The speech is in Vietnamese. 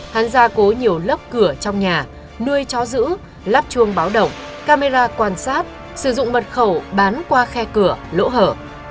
hắn gia cố nhiều lớp cửa trong nhà nuôi chó giữ lắp chuông báo động camera quan sát sử dụng mật khẩu bán qua khe cửa lỗ hở